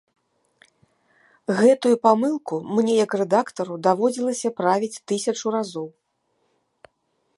Гэтую памылку мне як рэдактару даводзілася правіць тысячу разоў.